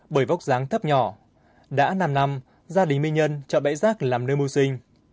bởi vóc dáng thấp nhỏ đã năm năm gia đình minh nhân chọn bãi rác làm nơi mưu sinh